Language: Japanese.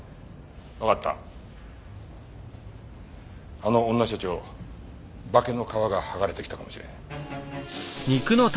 あの女社長化けの皮が剥がれてきたかもしれん。